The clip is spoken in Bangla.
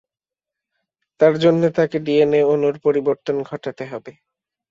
তার জন্যে তাকে ডিএনএ অণুর পরিবর্তন ঘটাতে হবে।